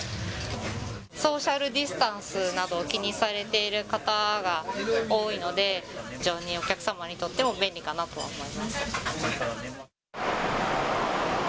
ソーシャルディスタンスなどを気にされている方が多いので、非常にお客様にとっても便利かなとは思います。